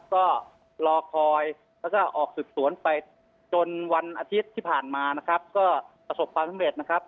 ก็รอคอยแล้วก็ออกสืบสวนไปจนวันอาทิตย์ที่ผ่านมานะครับก็ประสบความสำเร็จนะครับ